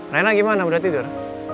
rena gimana udah tidur